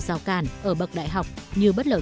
rào càn ở bậc đại học như bất lợi